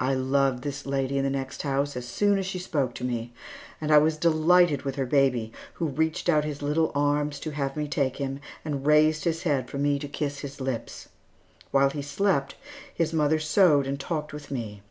I loved this lady in the next house as soon as she spoke to me, and I was delighted with her baby, who reached out his little arms to have me take him, and raised his head for me to kiss his lips. While he slept, his mother sewed and talked with me.